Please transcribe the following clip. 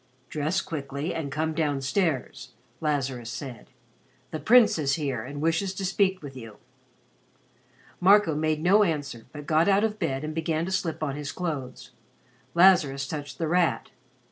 "Dress quickly and come down stairs," Lazarus said. "The Prince is here and wishes to speak with you." Marco made no answer but got out of bed and began to slip on his clothes. Lazarus touched The Rat.